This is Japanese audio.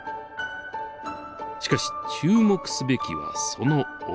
しかし注目すべきはその奥。